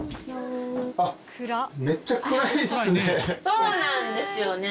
そうなんですよね。